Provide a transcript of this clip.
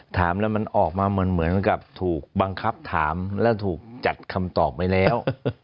ถามแล้วมันออกมาเหมือนกับถูกบังคับถามและถูกจัดคำตอบไว้แล้ว